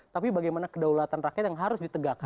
tapi bagaimana kedaulatan rakyat yang harus ditegakkan